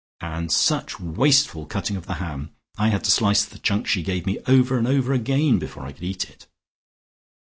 And such wasteful cutting of the ham; I had to slice the chunk she gave me over and over again before I could eat it."